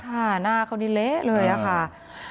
หน้าเขานี่เละเลยอะค่ะ